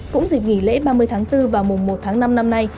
cũng dịp nghỉ lễ ba mươi tháng bốn và mùa một tháng năm năm nay